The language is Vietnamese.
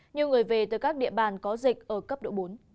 như người về từ các địa bàn có dịch ở cấp độ bốn